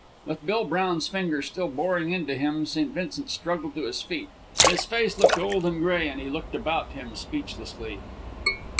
'" With Bill Brown's finger still boring into him, St. Vincent struggled to his feet. His face looked old and gray, and he looked about him speechlessly.